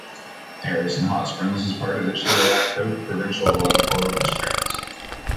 Harrison Hot Springs is part of the Chilliwack-Hope provincial electoral district.